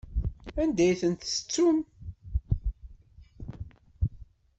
Anda i ten-tettum?